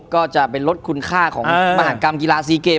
ก็จะเป็นลดคุณค่าของมหากรรมกีฬาซีเกม